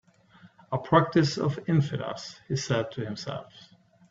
"A practice of infidels," he said to himself.